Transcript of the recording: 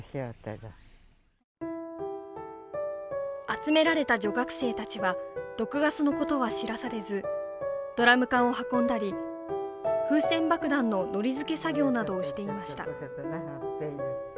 集められた女学生たちは毒ガスのことは知らされず、ドラム缶を運んだり、風船爆弾ののり付け作業などをしていました。